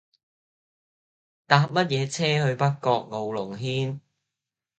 搭乜嘢車去北角傲龍軒